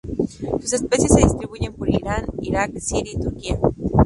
Sus especies se distribuyen por Irán, Irak, Siria y Turquía.